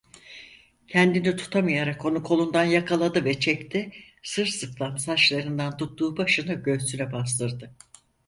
Kendini tutamayarak onu kolundan yakaladı ve çekti, sırsıklam saçlarından tuttuğu başını göğsüne bastırdı.